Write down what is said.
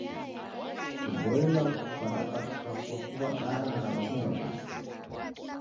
Kuboilwa kwadapatika kwa kuw'adana na w'akundwa w'ako.